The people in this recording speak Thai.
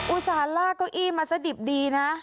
อุตส่าระไก้ก้ออีมาซะดิบดีนะ